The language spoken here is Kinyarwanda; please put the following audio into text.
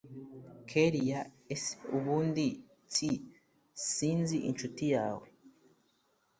kellia ese ubundi cynti, sinzi inshuti yawe!